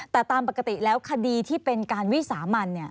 แต่ตามปกติแล้วคดีที่เป็นการวิสามัน